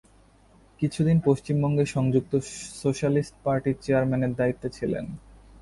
কিছুদিন পশ্চিমবঙ্গে সংযুক্ত সোশ্যালিস্ট পার্টির চেয়ারম্যানের দায়িত্বে ছিলেন।